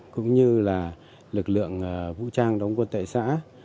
cũng như là lực lượng vũ trang đóng quân tại xã